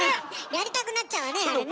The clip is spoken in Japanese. やりたくなっちゃうわねえあれね。